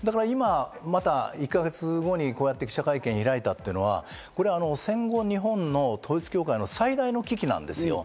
また１か月後にこうやって記者会見を開いたというのは、戦後日本の統一教会の最大の危機なんですよ。